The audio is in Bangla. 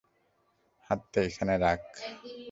হাতটা এখানে রাখ!